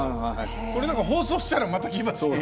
これ何か放送したらまた来ますよ。